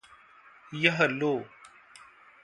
यह लो